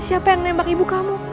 siapa yang nembak ibu kamu